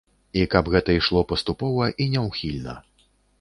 І каб гэта ішло паступова і няўхільна.